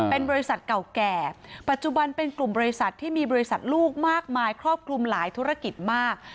เป็นบริษัทเก่าแก่ปัจจุบันเป็นกลุ่มบริษัทที่มีบริษัทลูกมากมายครอบคลุมหลายธุรกิจมาก